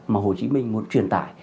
mà hồ chí minh muốn truyền tải